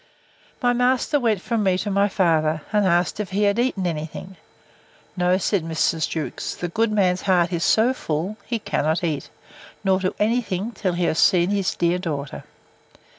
My master went from me to my father, and asked if he had eaten any thing. No, said Mrs. Jewkes; the good man's heart is so full, he cannot eat, nor do any thing, till he has seen his dear daughter.